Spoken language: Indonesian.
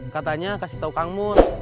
katanya kasih tahu kang mun